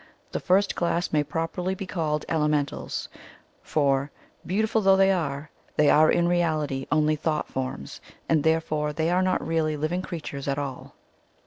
The first class may properly be called elementals, for, beautiful though they are, they are in reality only thought forms, and therefore they are not really liv ing creatures at all.